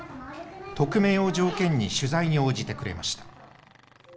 匿名を条件に取材に応じてくれました。